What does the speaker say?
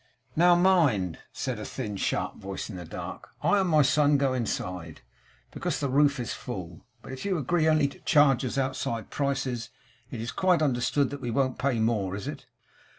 'Now mind,' said a thin sharp voice in the dark. 'I and my son go inside, because the roof is full, but you agree only to charge us outside prices. It's quite understood that we won't pay more. Is it?